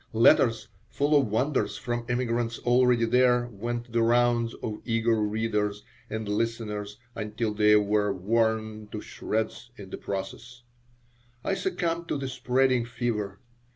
Letters full of wonders from emigrants already there went the rounds of eager readers and listeners until they were worn to shreds in the process I succumbed to the spreading fever.